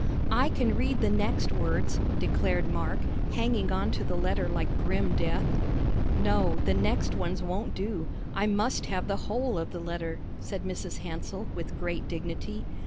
"I can read the next words," declared Mark, hanging on to the letter like grim death. "No, the next ones won't do. I must have the whole of the letter," said Mrs. Hansell, with great dignity.